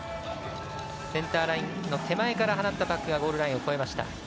センターラインの手前から放ったパックがゴールラインを越えました。